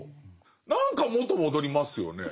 何か元戻りますよね。